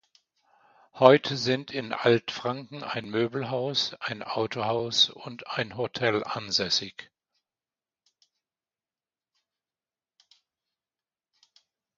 Heute sind in Altfranken ein Möbelhaus, ein Autohaus und ein Hotel ansässig.